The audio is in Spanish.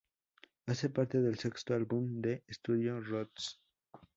Hace parte del sexto álbum de estudio "Roots".